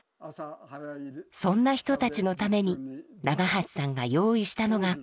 そんな人たちのために永橋さんが用意したのがこれ。